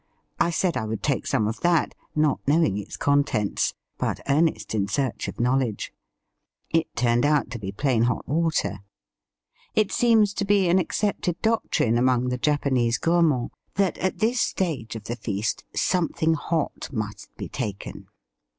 I said I would take some of that, not knowing its contents, but earnest in search of knowledge. It turned out to be plain hot water. It seems to be an accepted doctrine among the Japanese gourmands that at this stage of the feast " something hot " must be taken.